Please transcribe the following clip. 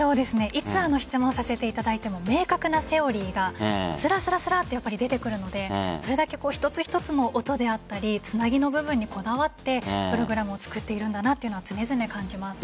いつ質問をさせていただいても明確なセオリーがすらすらと出てくるのでそれだけ一つ一つの音であったりつなぎの部分にこだわってプログラムを作っているんだなと常々感じます。